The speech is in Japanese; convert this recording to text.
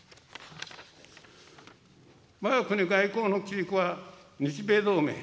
わが国外交の基軸は日米同盟。